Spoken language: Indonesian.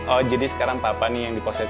oh jadi sekarang papa nih yang diposesi